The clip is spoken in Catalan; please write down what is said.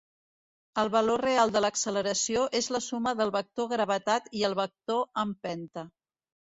El valor real de l'acceleració és la suma del vector gravetat i el vector empenta.